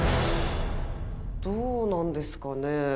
どうなんですかね。